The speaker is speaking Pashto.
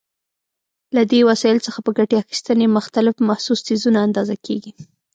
له دې وسایلو څخه په ګټې اخیستنې مختلف محسوس څیزونه اندازه کېږي.